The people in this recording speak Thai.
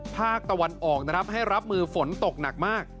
ภาคตะวันออกนะครับให้รับมือฝนตกหนักมาก